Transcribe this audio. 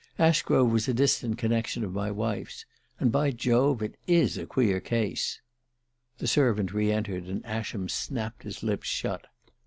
Ashgrove was a distant connection of my wife's. And, by Jove, it is a queer case!" The servant re entered, and Ascham snapped his lips shut.